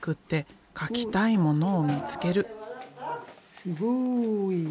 すごい。